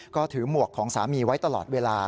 ก็ถือหมวกของสามีไว้ตลอดเวลา